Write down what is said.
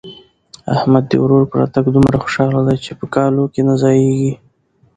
احمد د ورور په راتګ دومره خوشاله دی چې په کالو کې نه ځايېږي.